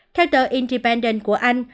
theo tờ independent của anh